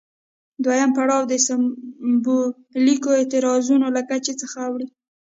دویم پړاو د سمبولیکو اعتراضونو له کچې څخه اوړي.